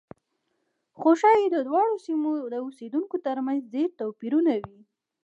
خو ښایي د دواړو سیمو د اوسېدونکو ترمنځ ډېر توپیرونه وي.